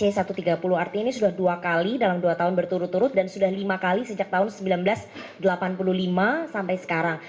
artinya ini sudah dua kali dalam dua tahun berturut turut dan sudah lima kali sejak tahun seribu sembilan ratus delapan puluh lima sampai sekarang